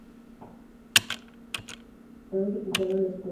Sin embargo, los rebeldes lograron recuperar la escuela.